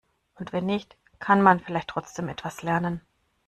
Und wenn nicht, kann man vielleicht trotzdem etwas lernen.